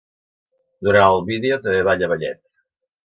Durant el vídeo també balla ballet.